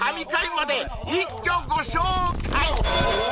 まで一挙ご紹介